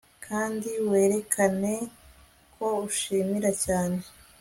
kandi werekane ko ushimira cyane